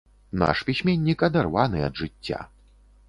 Наш пісьменнік адарваны ад жыцця.